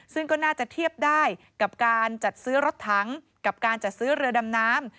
ซึ่งก็น่าจะเทียบได้กับการจัดซื้อรถถังกับการจัดซื้อเรือดำน้ำ